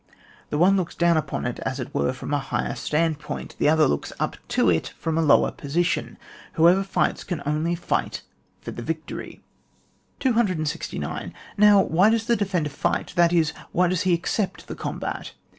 The one looks down upon it, as it were, from a higher stand point; the other looks up to it from, a lower position, Whoever' fights can only fight for the victory, 269. Now, why does the defender fight, that is, why does he accept the combat